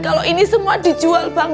kalau ini semua dijual bang